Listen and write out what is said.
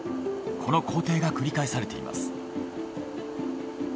この工程が繰り返されています。